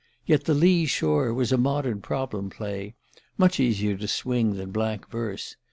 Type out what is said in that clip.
Yet 'The Lee Shore' was a modern problem play much easier to swing than blank verse.